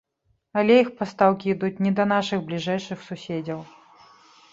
Але іх пастаўкі ідуць не да нашых бліжэйшых суседзяў.